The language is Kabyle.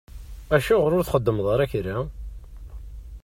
Acuɣeṛ ur txeddmeḍ ara kra?